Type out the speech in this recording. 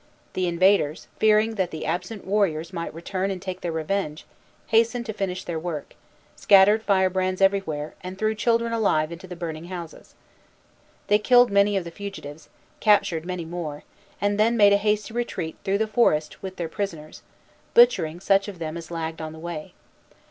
The invaders, fearing that the absent warriors might return and take their revenge, hastened to finish their work, scattered firebrands everywhere, and threw children alive into the burning houses. They killed many of the fugitives, captured many more, and then made a hasty retreat through the forest with their prisoners, butchering such of them as lagged on the way.